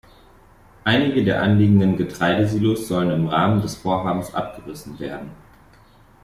Einige der anliegenden Getreidesilos sollen im Rahmen des Vorhabens abgerissen werden.